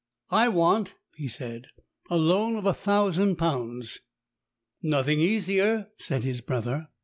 "I want," he said, "a loan of a thousand pounds." "Nothing easier," said his brother.